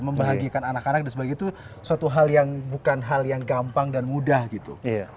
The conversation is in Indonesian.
membahagiakan anak anak dan sebagainya itu suatu hal yang bukan hal yang gampang dan mudah gitu